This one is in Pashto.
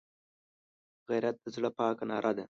غیرت د زړه پاکه ناره ده